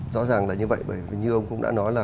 rõ ràng là như vậy bởi như ông cũng đã nói là